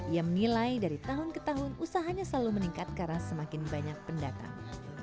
ia menilai dari tahun ke tahun usahanya selalu meningkat karena semakin banyak pendatang